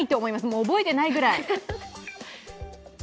もう覚えてないぐらい。